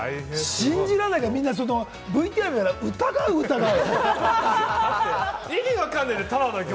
信じられないから、みんなＶＴＲを疑う、疑う。